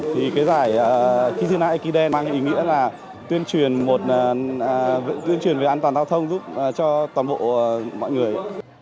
thì cái giải kizuna aikiden mang ý nghĩa là tuyên truyền về an toàn giao thông giúp cho toàn bộ mọi người